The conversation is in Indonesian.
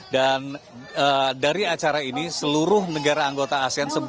dan dari acara ini seluruh negara anggota asean